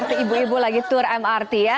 ibu ibu lagi tur mrt ya